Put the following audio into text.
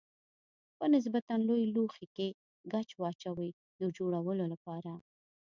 په نسبتا لوی لوښي کې ګچ واچوئ د جوړولو لپاره.